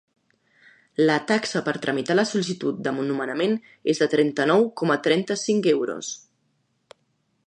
La taxa per tramitar la sol·licitud de nomenament és de trenta-nou coma trenta-cinc euros.